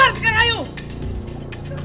sekarang ayo keluar